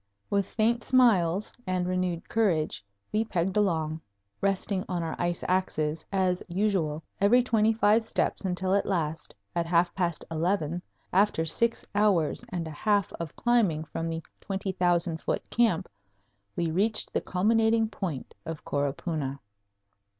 With faint smiles and renewed courage we pegged along, resting on our ice axes, as usual, every twenty five steps until at last, at half past eleven, after six hours and a half of climbing from the 20,000 foot camp, we reached the culminating point of Coropuna.